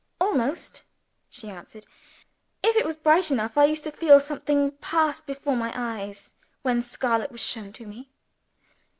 "Almost," she answered, "if it was bright enough. I used to feel something pass before my eyes when scarlet was shown to me."